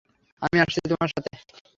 আমি আসছি তোমার সাথে।